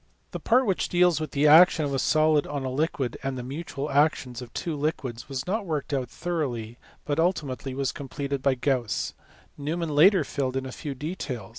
The part which deals with the action of a solid on a liquid and the mutual action of two liquids was not worked out thoroughly, but ultimately was completed by Gauss : Neumann later filled in a few details.